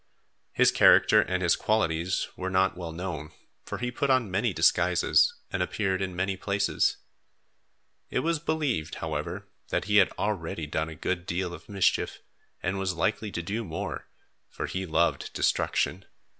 His character and his qualities were not well known, for he put on many disguises and appeared in many places. It was believed, however, that he had already done a good deal of mischief and was likely to do more, for he loved destruction.